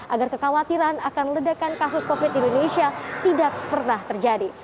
agar kekhawatiran akan ledakan kasus covid di indonesia tidak pernah terjadi